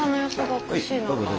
おかしい。